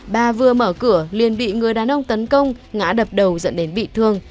bà vừa mở cửa liền bị người đàn ông tấn công ngã đập đầu dẫn đến bị thương